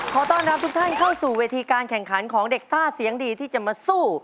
ขอต้อนรับทุกท่านเข้าสู่เวทีการแข่งขันของเด็กซ่าเสียงดีที่จะมาสู้